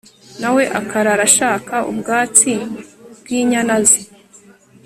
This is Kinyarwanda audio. na we akarara ashaka ubwatsi bw'inyana ze